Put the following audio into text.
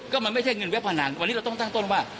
ก็มันไม่ใช่เงินเว็บพนันวันนี้เราต้องตั้งต้นว่า